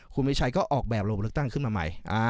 คุณมีชัยก็ออกแบบระบบลึกตั้งขึ้นมาใหม่